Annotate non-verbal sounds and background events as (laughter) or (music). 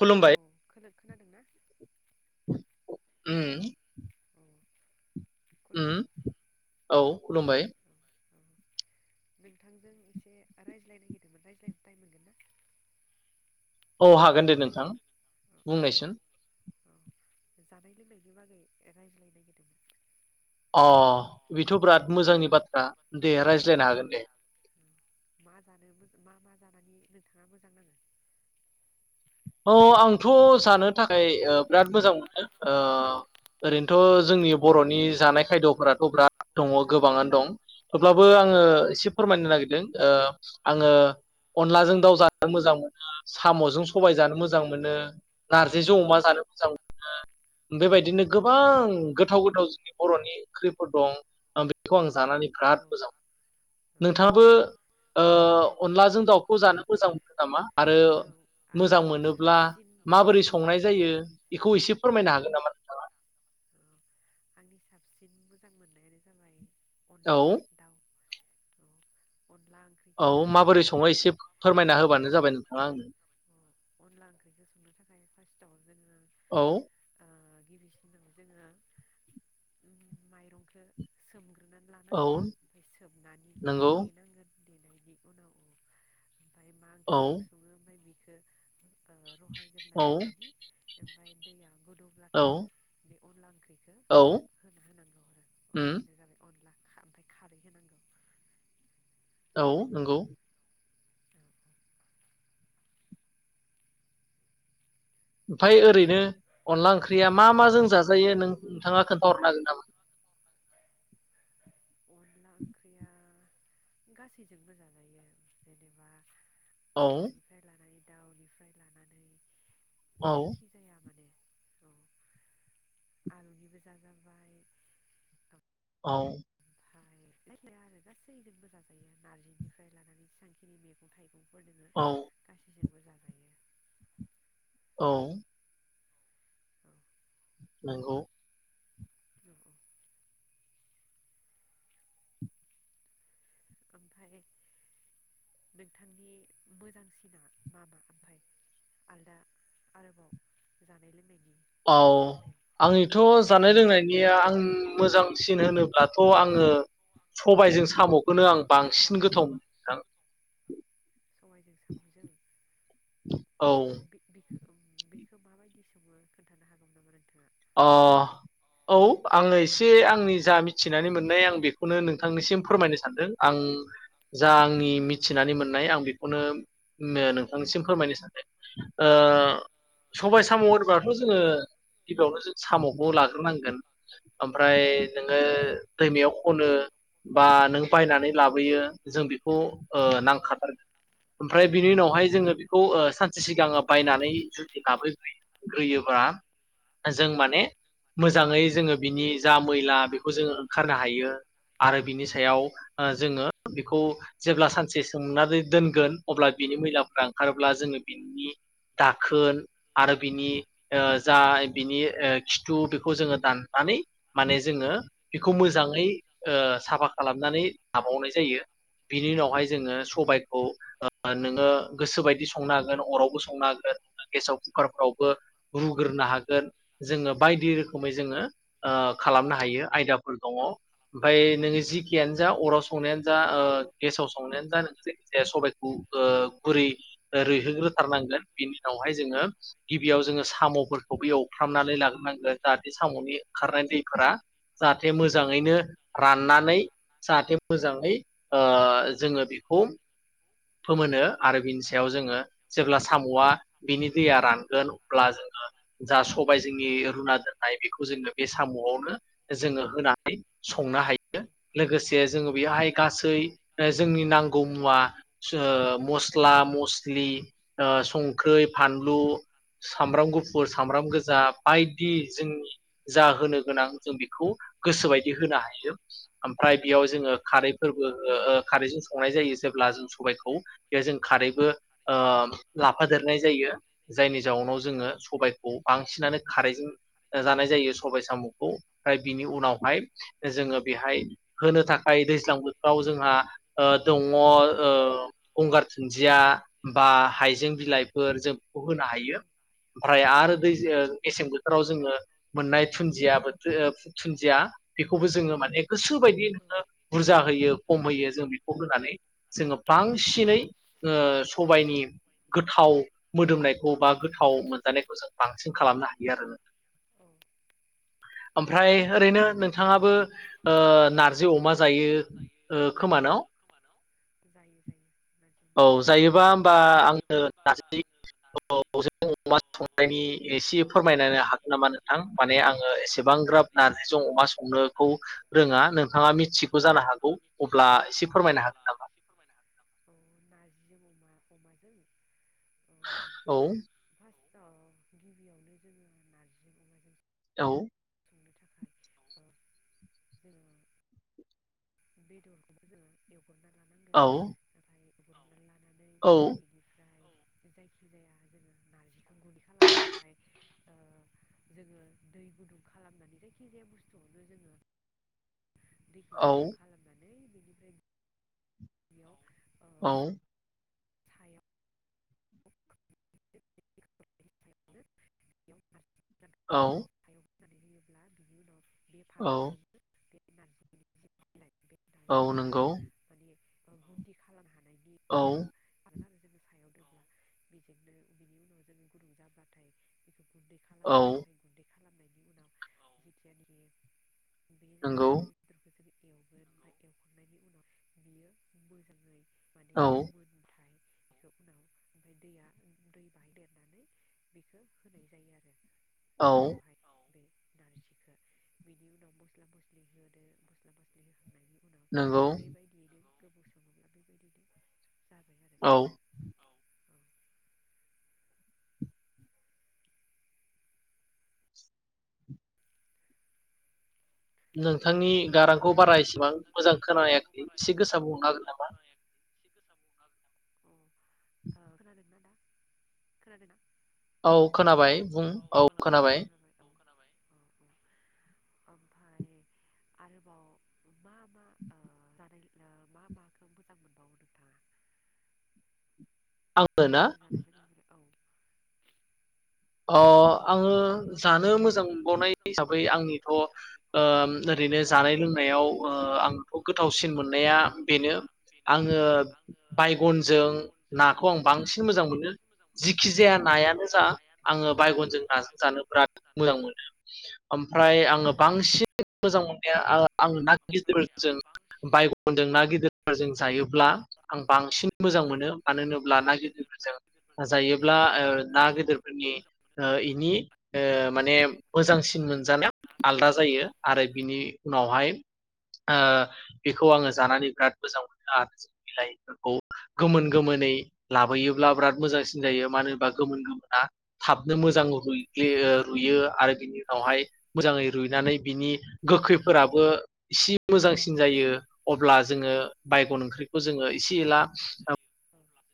खुलुमबाय हेल' खोलो खोनादोंनाा उम हेल' औ खुलुमबाय ओम औ खुलुमबाय (inaudible) नोंथांजों एसे रायज्लायनो नागिरदोंमोन रायज्लायनो टाइम मोनगोन ना औ हागोन दे नोंथां औ बुंनायसुन। औ जानाय लोंनायनि बागै रायज्लायनो नागिरदोंमोन अ बेथ' बिराद मोजांनि बाथ्रा दे औ औ रायज्लायनो हागोन दे मा जानो मोजां‌ जानानै नोंथाङा मोजां नाङो औ आंथ' जानो थाखाय बिराद मोजां मोनो ओरैनोथ' जोंनि बर'नि जानाय खायद'फोराथ' बिराद दङ गोबाङानो दं थेवब्लाबो आङो एसे फोरमायनो नागिरदों आङो अनलाजों दाउ जानो मोजां मोनो साम'जों सबाय जानो मोजां मोनो नारजिजों अमा जानो मोजां मोनो बेबायदिनो गोबां गोथाव गोथाव जोंनि बर'नि ओंख्रिफोर दं बेखौ आं जानानै बिराद औ मोजां मोनो औ नोंथाङाबो ओ अनलाजों दाउखौ जानो मोजां मोनो नामा आरो औ मोजां आंनि मोनोब्ला साबसिन माबोरै संनाय जायो बेखौ एसे फोरमायनो हागोन नामा नोंथाङा आंनि साबसिन मोजां मोननायानो जाबाय औ अनला दाउ (unintelligible) ओंख्रिखौ औ संनो माबोरै सङो थाखाय एसे औ फोरमायना होबानो जाबाय नोंथाङा आंनो अनला ओंख्रिखौ संनो थाखाय फार्स्टआव जोङो औ ओ गिबिसिनाव जोङो माइरंखौ सोमग्रोना औ लानांगोन ओमफ्राय सोबनानै नंगौ देनांगोन देनायनि उनाव ओमफ्राय मा औ ओंख्रिजों सङो ओमफ्राय बेखौ रहायग्रा औ लानानै ओमफफ्राय दैया औ गोदौब्लाथाय बे अनला ओंख्रि औ बेखौ होना होनांगौ आरो उम अब्लानो जाबाय अनला ओमफ्राय खारै होनांगौ औ नंगौ ओमफाय ओरैनो अनला ओंख्रिया मा मा जों जाजायो नों नोंथाङा खोन्थाहरनो हागोन नामा (inaudible) अनला ओंख्रिया गासैजोंबो जाजायो जेनेबा औ अमानिफ्राय लानानै दाउनिफ्राय लानानै औ जायखि जाया माने आलुनिबो जाजाबाय औ फ्राय‌ आरो गासैजोंबो जाजायो नारजिनिफ्राय लानानै जेसेबांखिनि मैगं थाइगं फोरनोङो औ गासैजोंबो जाजायो औ औ नोंगौ (unintelligible) ओमफाय नोंथांनि मोजांसिना मा मा ओमफाय आलदा आरोबाव जानाय लोंनायनि औ बेलायाव आंनिथ' जानाय लोंनायनिया आं मोजां सिन होनोब्लाथ' आङो सबायजों साम'खौनो आं बांसिन गोथाव मोनो नोंथां सबायाइजों साम'जों औ बिख बेखौ माबायदि सङो खोन्थानो हागौमोन नामा नोंथां आ अ औ आङो एसे आंनि जा मिथिनानै मोननाय आं बेखौनो नोंथांनिसिम फोरमायनो सानदों आं उम जा आंनि मिथिनानै मोननाय आं बेखौनो नोंथांनिसिम फोरमायनो सानदों ओ सबाय साम' होनबाथ' जोङो गिबियावनो जो साम'खौ लाग्रोनांगोन ओमफ्राय नोङो दैमायाव खनो बा नों बायनानै लाबोयो जों बेखौ ओ नांखाथारगोन ओमफ्राय बिनि औ उनावहाय जोङो बेखौ ओ सानसे सिगां बायनानै जुदि लाबोग्रोग्रोयोबा (unintelligible) जों माने मोजाङै जोङो बिनि जा मैला बेखौ जोङो ओंखारनो हायो आरो बिनि सायाव जोङो बेखौ जेब्ला सानसे सोमनानै दोनगोन अब्ला बिनि मैलाफ्रा ओंखारोब्ला जोङो बिनि दाखोन आरो बिनि ओ जा बिनि ओ खिथु बेखौ जोङो दाननानै माने जोङो बेखौ मोजाङै ओ साफा खालामनानै लाबावनाय जायो बिनि उनावहाय जोङो सबायखौ नोङो गोसो बायदि संनो हागोन अरावबो संनो हागोन गेसाव कुकारफोरावबो रुग्रोनो हा गोन जोङो बायदि रोखोमै जोङो ओ खालामनो हायो आयदाफोर दङ ओमफ्राय नोङो जिखेयानो जा अराव संनायानो जा ओ गेसा व संनायानो जा जे नोङो सबाइखौ गुरै रैहोग्रोथारनांगोन बिनि उनावहाय जोङो गिबियाव जोङो साम' खौबो एवफ्रामनानै लाग्रोनांगोन जाहाथे साम'नि ओंखारनाय दैफोरा जाहाथे मोजाङैनो राननानै जाहाथे मोजाङै ओ जोङो बेखौ फोमोनो आरो बिनि सायाव जोङो जेब्ला साम'आ बिनि दैया रानगोन अब्ला जोङो जा सबाय जोंनि रुना दोननाय बेखौ जोङो बे साम'आवनो जोङो होनानै संनो हायो लोगोसे जोङो बेयावहाय गासै जोंनि नांगौ मुवा ओ मस्ला मस्लि, ओ संख्रै, फानलु, सामब्राम गु फुर, सामब्राम गोजा बायदि जोंनि जा होनो गोनां जों बेखौ गोसोबायदि होनो हायो ओमफ्राय बेयाव जोङो खारैफोरबो ओ खारैजों संनाय जायो जेब्ला जों सबायखौ बे जों खारैबो ओ लाफादेरनाय जायो जायनि जाउनाव जोङो खौ बांसिनानो खारैजों जानाय जायो सबाइ साम'खौ ओमफ्राय बिनि उनावहाय जोङो बेहाय होनो थाखाय दैज्लां बोथोराव जोंहा दङ ओ गंगार दुन्दिया बा हायजें बिलाइफोर जों बेखौ होनो हायो। औ ओमफ्राय आरो दै मेसें बोथोराव जोङो मोननाय दुुन्दिया बो दुुनदिया बेखौबो जोङो माने गोसो बायदि औ नोङो बुरजा होयो खम होयो जों बेखौ होनानै जोङो बांसिनै ओ सबायनि गोथाव मोदोमनायखौ बा गोथाव मोन जानायखौ जों बांसिन खालामनो हायो आरो नोंथां (inaudible) ओमफ्राय ओरैनो नोंथाङाबो ओ नारजि अमा जायो ओ खोमान? जायो जायो। नारजि औ अमा जायो जायोबा होमबा आंनो (inaudible) अमा संनायनि एसे फोरमायनो हागोन नामा नोंथां माने आङो एसेबां एफाग्राब नारजिजों अमा संनोखौ रोङा नोंथाङा मिथिगौ जानो हागौ अब्ला एसे फोरमायनो हागोन नामा? अ नारजिजों अमा अमाजों ओ औ फार्स्टआव गिबियावनो जोङो नारजिजों अमाजों औ संनो थाखाय जोङो बेदरखौबो जों एव औ (inaudible) (inaudible) दै गुदुं खालामनानै जायखि जाया बुस्थुआवनो जोङो दैखौ औ गुदुं खालामनानै बेनिफ्राय बेयाव ओ औ। (unintelligible) (inaudible) औ सायाव औ (inaudible) औ नंगौ औ (inaudible) बेजोंनो बिनि उनाव जोङो गुदुं जाब्लाथाय बेखौ गुन्दै औ खालामगोन ओमफ्राय गुन्दै खालामनायनि उनाव जिथिया नों बेयो जों नंगौ अमा बेदरखौ जों एवगोन आरो एवखांनायनि उनाव बियो मोजाङै माने औ मोनबाथाय उनाव ओमफ्राय दैया दै बाहायदेरनानै बेखौ होनाय जायो आरो। औ उनावहाय (inaudible) नारजिखौ बिनि उनाव मस्ला मस्लि होदो मस्ला मस्लि होखांनायनि उनाव नंगौ बेबायदियैनो गोबाव सङोब्ला बेबायदियनो जागोन औ नोंथांनि गारांखौ बारा एसेबां मोजां खोनायाखै एसे गोसा बुंहरनो हागोन नामा? खोनादोंना नोंथां खोनादोंना औ खोनाबाय बुं औ खोनाबाय। (inaudible) आरोबाव मा मा ओ जानाय मा माखौ मोजां मोनबावो नोंथाङा? (inaudible) आङो ना (inaudible) अ आङो जानो मोजां मोनबावनाय हिसाबै आंनिथ' ओरैनो जानाय लोंनायाव ओ आंथ' गोथावसिन मोननाया बेनो आङो बायगनजों नाखौ आं बांसिन मोजां मोनो जिखि जाया औ नायानो जा आङो बायगनजों नाजों जानो बिराद मोजां मोनो। ओमफ्राय आङो बांसिन मोजां मोननाया आं आं ना गिदिरजों बायगनजों ना गिदिरफोरजों जायोब्ला आं बांसिन (inaudible) मोजां मोनो मानो होनोब्ला ना गिदिरफोरजों जायोब्ला ना गिदिर बेनि इनि ओ माने मोजांसिन मोनजानाया आलदा जायो। आरो बिनि उनावहाय ओ बेखौ आङो जानानै बिराद मोजां मोनो आरो जों बिलाइफोरखौ गोमोन गोमोन नै लाबोयोब्ला बिराद मोजांसिन जायो। मानो होनबा गोमोन गोमोना थाबनो मोजां रुइयो रुइयो आरो बिनि उनावहाय मोजाङै रुइनानै बिनि गोखैफोराबो इसे मोजांसिन जायो। अब्ला जोङो बायगन ओंख्रिखौ जोङो एसे एला हेल' औ